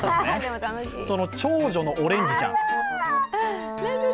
その長女のオレンジちゃん。